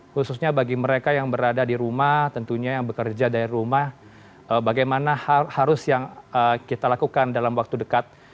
khususnya bagi mereka yang berada di rumah tentunya yang bekerja dari rumah bagaimana harus yang kita lakukan dalam waktu dekat